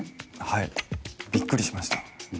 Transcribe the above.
はいびっくりしました。